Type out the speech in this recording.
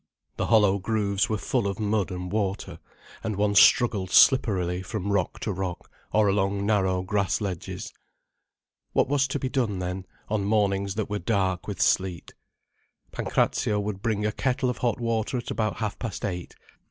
The hollow grooves were full of mud and water, and one struggled slipperily from rock to rock, or along narrow grass ledges. What was to be done, then, on mornings that were dark with sleet? Pancrazio would bring a kettle of hot water at about half past eight.